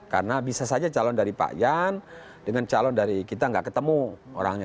karena bisa saja calon dari pak jan dengan calon dari kita tidak ketemu orangnya